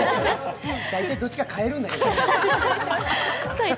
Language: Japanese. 大抵どっちか変えるんだけどね。